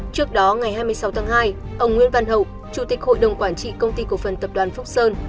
trước đó ngày hai mươi sáu tháng hai ông nguyễn văn hậu chủ tịch hội đồng quản trị công ty cổ phần tập đoàn phúc sơn